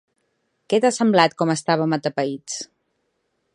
Què t'ha semblat com estàvem atapeïts?